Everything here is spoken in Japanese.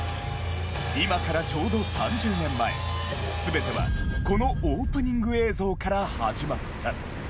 今からちょうど３０年前全てはこのオープニング映像から始まった！